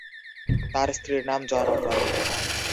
তার স্ত্রীর নাম জয়নব বানু।